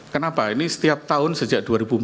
kenapa ini setiap tahun sejak dua ribu empat belas